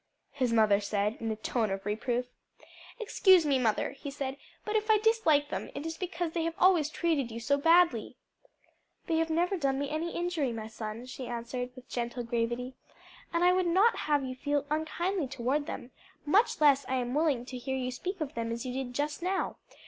his mother said in a tone of reproof. "Excuse me, mother," he said; "but if I dislike them, it is because they have always treated you so badly." "They have never done me any injury, my son," she answered, with gentle gravity, "and I would not have you feel unkindly toward them; much less am I willing to hear you speak of them as you did just now.